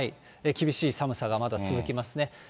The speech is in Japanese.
厳しい寒さがまだ続きますね。